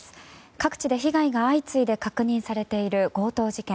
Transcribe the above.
各地で被害が相次いで確認されている強盗事件。